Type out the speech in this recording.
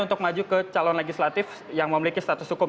untuk maju ke calon legislatif yang memiliki status hukum